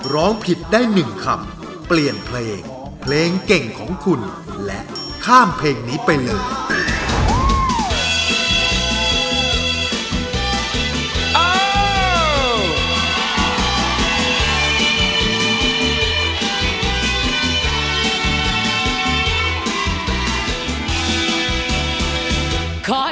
ร้องผิดได้๑คำเปลี่ยนเพลงเพลงเก่งของคุณและข้ามเพลงนี้ไปเลย